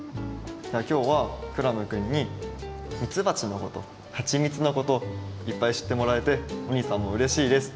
きょうはクラムくんにみつばちのことはちみつのこといっぱいしってもらえておにいさんもうれしいです。